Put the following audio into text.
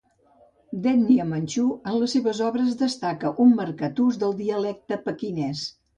D'ètnia Manxú, en les seves obres destaca un marcat ús del dialecte pequinès.